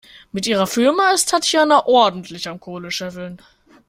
Mit ihrer Firma ist Tatjana ordentlich am Kohle scheffeln.